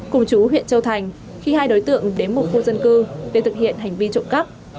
cùng chú huyện châu thành khi hai đối tượng đến một khu dân cư để thực hiện hành vi trộm cắp